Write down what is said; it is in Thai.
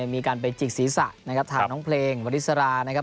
มีการไปจิกศีรษะทางน้องเพลงวันนี้สารา